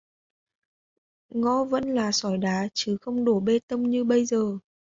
Ngõ vẫn là sỏi đá chứ không đổ bê tông như bây giờ